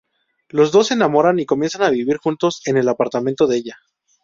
Los dos se enamoran y comienzan a vivir juntos en el apartamento de ella.